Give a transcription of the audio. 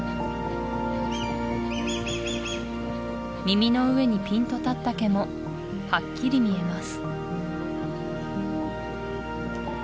耳の上にピンと立った毛もはっきり見えます